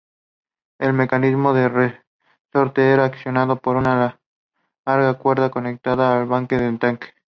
El mecanismo de resorte era accionado por una larga cuerda conectada al buque atacante.